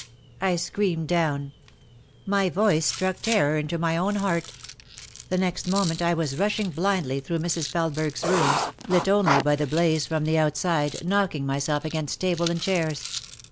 I screamed down. My voice struck terror into my own heart. The next moment I was rushing blindly through Mrs. Felesberg's rooms, lit only by the blaze from the outside, knocking myself against table and chairs.